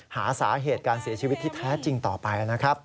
หาสาเหตุการเสียชีวิตที่แท้จริงต่อไปนะครับ